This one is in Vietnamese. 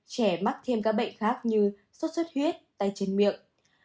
chín trẻ mắc thêm các bệnh khác như sốt xuất huyết tay trên miệng